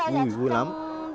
vui vui lắm